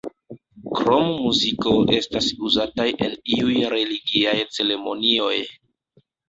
Krom muziko estas uzataj en iuj religiaj ceremonioj.